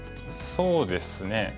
そうですね